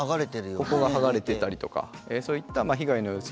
ここがはがれていたりとかそういった被害の様子